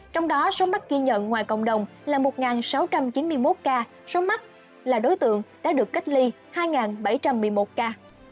trong đó số mắc ghi nhận ngoài cộng đồng là một sáu trăm chín mươi một ca số mắc là đối tượng đã được cách ly hai bảy trăm một mươi một ca